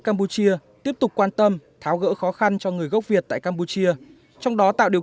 campuchia tiếp tục quan tâm tháo gỡ khó khăn cho người gốc việt tại campuchia trong đó tạo điều